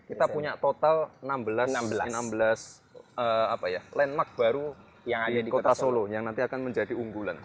kita punya total enam belas landmark baru di kota solo yang nanti akan menjadi unggulan